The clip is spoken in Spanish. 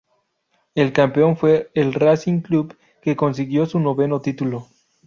El campeón fue el Racing Club, que consiguió su noveno título.